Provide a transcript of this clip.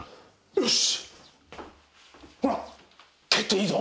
よし。